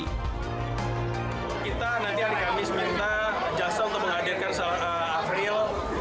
kita nanti hari kamis minta jasa untuk menghadirkan afril